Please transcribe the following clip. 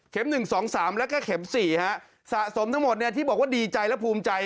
เข็มหนึ่งสองสามแล้วก็เข็มสี่ฮะสะสมทั้งหมดเนี้ยที่บอกว่าดีใจและภูมิใจ